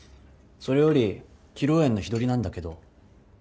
それより披露宴の日取りなんだけど。